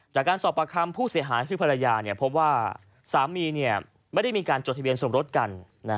จากการสอบประคำผู้เสียหายคือภรรยาพบว่าสามีไม่ได้มีการจดทะเบียนสมรสกัน